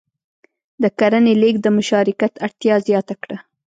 د کرنې لېږد د مشارکت اړتیا زیاته کړه.